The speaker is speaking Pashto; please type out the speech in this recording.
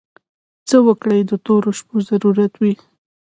څه وګړي د تورو شپو ضرورت وي.